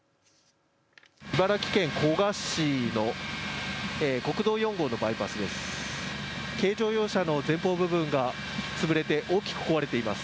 茨城県古河市の国道４号のバイパスです。